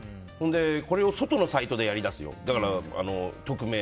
これを外のサイトでやり出すよ。